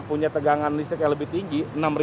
punya tegangan listrik yang lebih tinggi